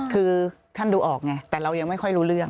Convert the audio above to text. คือท่านดูออกไงแต่เรายังไม่ค่อยรู้เรื่อง